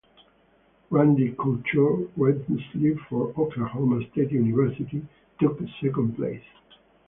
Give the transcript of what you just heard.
Randy Couture, wrestling for Oklahoma State University, took second place.